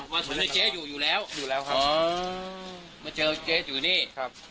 อ๋อว่าสมมุติเจ๊อยู่อยู่แล้วอยู่แล้วครับมาเจอเจ๊อยู่นี่ครับ